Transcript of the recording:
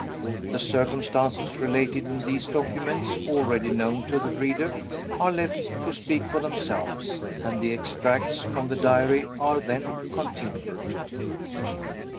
The circumstances related in these documents, already known to the reader, are left to speak for themselves, and the Extracts from the Diary are then continued.)